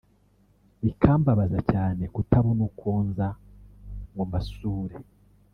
bikambabaza cyane kutabona uko nza ngo mbasure